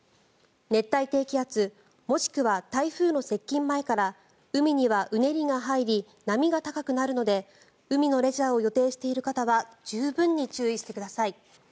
熱帯低気圧もしくは台風の接近前から海にはうねりが入り波が高くなるので海のレジャーを予定している方は十分に注意してください。